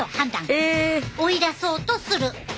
追い出そうとする！